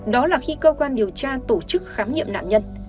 đó là khi cơ quan điều tra tổ chức khám nghiệm nạn nhân